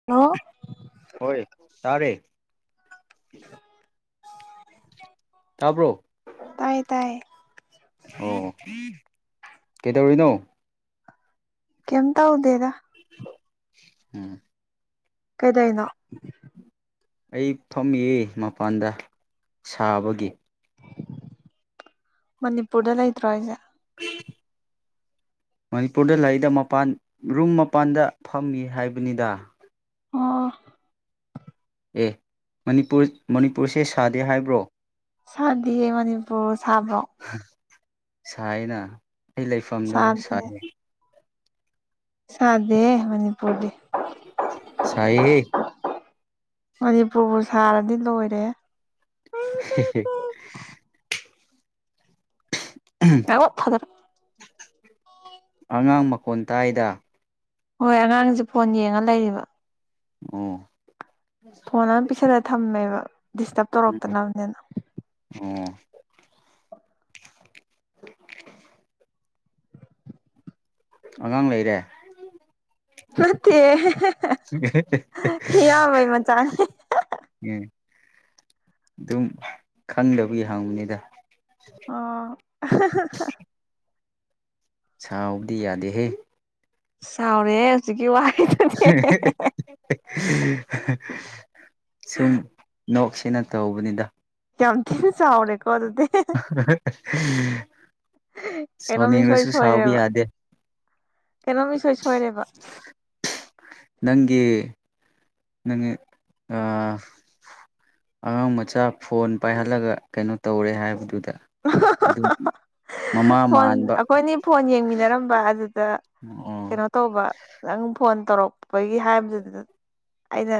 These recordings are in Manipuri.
[unintelligible] ꯍꯣꯏ ꯇꯥꯔꯦ ꯇꯥꯕ꯭ꯔꯣ ꯇꯥꯏꯌꯦ ꯇꯥꯏ ꯑꯣ ꯀꯩꯗꯧꯔꯤꯅꯣ ꯀꯩꯝ ꯇꯧꯗꯦꯗ ꯎꯝ ꯀꯩꯗꯧꯏꯅꯣ ꯑꯩ ꯐꯝꯃꯤꯌꯦ ꯃꯄꯥꯟꯗ ꯁꯥꯕꯒꯤ ꯃꯅꯤꯄꯨꯔꯗ ꯂꯩꯇ꯭ꯔꯣ ꯍꯥꯏꯖꯦ ꯃꯅꯤꯄꯨꯔꯗ ꯂꯩꯗ ꯃꯄꯥꯟ ꯔꯨꯝ ꯃꯄꯥꯟꯗ ꯐꯝꯃꯤ ꯍꯥꯏꯕꯅꯤꯗ ꯑꯣ ꯑꯦ ꯃꯅꯤꯄꯨꯔ ꯃꯅꯤꯄꯨꯔꯁꯦ ꯁꯥꯗꯦ ꯍꯥꯏꯕ꯭ꯔꯣ ꯁꯥꯗꯤꯌꯦ ꯃꯅꯤꯄꯨꯔ ꯁꯥꯕ꯭ꯔꯣ ꯁꯥꯏꯌꯦꯅ ꯑꯩ ꯂꯩꯐꯝꯗ ꯁꯥꯗꯦ ꯁꯥꯏ ꯁꯥꯗꯦ ꯃꯅꯤꯄꯨꯔꯗꯤ ꯁꯥꯏꯍꯦ ꯃꯅꯤꯄꯨꯔꯕꯨ ꯁꯥꯔꯗꯤ ꯂꯣꯏꯔꯦ [unintelligible] [unintelligible] [unintelligible] ꯑꯉꯥꯡ ꯃꯈꯣꯟ ꯇꯥꯏꯗ ꯍꯣꯏ ꯑꯉꯥꯡꯖꯨ ꯐꯣꯟ ꯌꯦꯡꯉ ꯂꯩꯔꯤꯕ ꯑꯣ ꯐꯣꯟ ꯑꯃ ꯄꯤꯁꯜꯂ ꯊꯝꯃꯦꯕ ꯗꯤꯁꯇ꯭ꯔꯕ ꯇꯧꯔꯛꯇꯅꯕꯅꯤꯅ ꯑꯣ ꯑꯉꯥꯡ ꯂꯩꯔꯦ ꯅꯠꯇꯦ ꯏꯌꯥꯝꯕꯩ ꯃꯆꯥꯅꯦ ꯎꯝ ꯑꯗꯨꯝ ꯈꯪꯗꯕꯒꯤ ꯍꯪꯕꯅꯤꯗ ꯑꯣ ꯁꯥꯎꯕꯗꯤ ꯌꯥꯗꯦꯍꯦ ꯁꯥꯎꯔꯦ ꯍꯧꯖꯤꯛꯀꯤ ꯋꯥꯍꯩꯗꯨꯗꯤ ꯁꯨꯝ ꯅꯣꯛꯁꯤꯅ ꯇꯧꯕꯅꯤꯗ ꯌꯥꯝ ꯊꯤꯅ ꯁꯥꯎꯔꯦꯀꯣ ꯑꯗꯨꯗꯤ ꯀꯩꯅꯣꯝ ꯏꯁꯣꯏ ꯁꯥꯎꯅꯤꯡꯔꯁꯨ ꯁꯥꯎꯕ ꯁꯣꯏꯔꯦꯕ ꯌꯥꯗꯦ ꯀꯩꯅꯣꯝ ꯏꯁꯣꯏ ꯁꯣꯏꯔꯦꯕ ꯅꯪꯒꯤ ꯅꯪꯒꯤ ꯑ ꯑꯉꯥꯡ ꯃꯆꯥ ꯐꯣꯟ ꯄꯥꯏꯍꯜꯂꯒ ꯀꯩꯅꯣ ꯇꯧꯔꯦ ꯍꯥꯏꯕꯗꯨꯗ ꯑꯗꯨꯝ ꯐꯣꯟ ꯑꯩꯈꯣꯏꯅꯤ ꯐꯣꯟ ꯌꯦꯡꯃꯤꯟꯅꯔꯝꯕ ꯑꯗꯨꯗ ꯑꯣ ꯀꯩꯅꯣ ꯇꯧꯕ ꯅꯪ ꯐꯣꯟ ꯇꯧꯔꯛꯄꯒꯤ ꯍꯥꯏꯗꯨꯗ ꯑꯩꯅ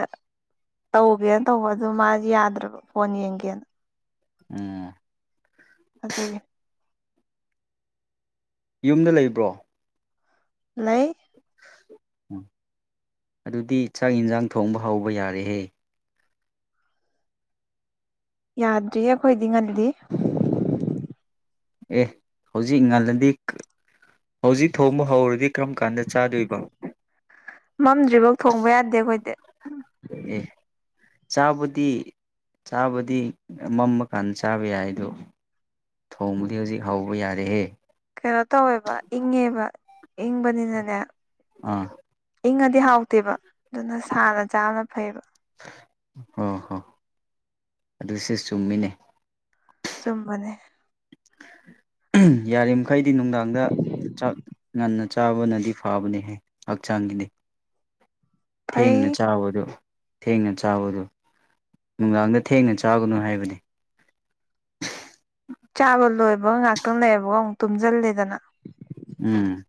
ꯇꯧꯒꯦꯅ ꯇꯧꯕ ꯑꯗꯨ ꯃꯥ ꯌꯥꯗ꯭ꯔꯕ ꯐꯣꯟ ꯌꯦꯡꯒꯦꯅ ꯑꯣ ꯑꯗꯨꯒꯤ ꯌꯨꯝꯗ ꯂꯩꯕ꯭ꯔꯣ ꯂꯩ ꯎ ꯑꯗꯨꯗꯤ ꯆꯥꯛ ꯌꯦꯟꯁꯥꯡ ꯊꯣꯡꯕ ꯍꯧꯕ ꯌꯥꯔꯦꯍꯦ ꯌꯥꯗ꯭ꯔꯤ ꯑꯩꯈꯣꯏꯗꯤ ꯉꯜꯂꯤ ꯑꯦ ꯍꯧꯖꯤꯛ ꯏ ꯉꯜꯂꯗꯤ ꯍꯧꯖꯤꯛ ꯊꯣꯡꯕ ꯍꯧꯔꯗꯤ ꯀꯔꯝ ꯀꯥꯟꯗ ꯆꯥꯗꯣꯏꯕꯣ ꯃꯝꯗ꯭ꯔꯤꯐꯥꯎ ꯊꯣꯡꯕ ꯌꯥꯗꯦ ꯑꯩꯈꯣꯏꯗꯤ ꯢꯁ ꯆꯥꯕꯗꯤ ꯆꯥꯕꯗꯤ ꯃꯝꯃ ꯀꯥꯟꯗ ꯆꯥꯕ ꯌꯥꯏ ꯑꯗꯣ ꯊꯣꯡꯕꯨꯗꯤ ꯍꯧꯖꯤꯛ ꯍꯥꯎꯧꯕ ꯌꯥꯔꯦꯍꯦ ꯀꯩꯅꯣ ꯇꯧꯋꯦꯕ ꯏꯪꯉꯦꯕ ꯏꯪꯕꯅꯤꯅꯅꯦ ꯑꯥ ꯏꯪꯉꯗꯤ ꯍꯥꯎꯇꯦꯕ ꯑꯗꯨꯅ ꯁꯥꯅ ꯆꯥꯅ ꯐꯩꯕ ꯍꯣꯏ ꯍꯣ ꯑꯗꯨꯁꯨ ꯆꯨꯝꯃꯤꯅꯦ ꯆꯨꯝꯕꯅꯦ ꯌꯥꯔꯤꯕꯃꯈꯩꯗꯤ ꯅꯨꯡꯗꯥꯡꯗ ꯆꯥꯛ ꯉꯟꯅ ꯆꯥꯕꯅꯗꯤ ꯐꯥꯕꯅꯤꯍꯦ ꯍꯛꯆꯥꯡꯒꯤꯗꯤ ꯊꯦꯡꯅ ꯐꯩ ꯆꯥꯕꯗꯨ ꯊꯦꯡꯅ ꯆꯥꯕꯗꯨ ꯅꯨꯡꯗꯥꯡꯗ ꯊꯦꯡꯅ ꯆꯥꯒꯅꯨ ꯍꯥꯏꯕꯅꯤ ꯆꯥꯕ ꯂꯣꯏꯕꯒ ꯉꯥꯛꯇꯪ ꯂꯩꯌꯦꯕꯒ ꯑꯃꯨꯛ ꯇꯨꯝꯁꯤꯜꯂꯦꯗꯅ ꯎꯝ